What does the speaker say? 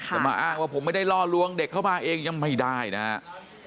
จะมาอ้างว่าผมไม่ได้ล่อลวงเด็กเข้ามาเองยังไม่ได้นะครับ